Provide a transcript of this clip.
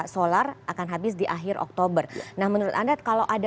solar akan habis di akhir tahun ini ya jadi kita bisa mencari maka kita bisa mencari maka kita bisa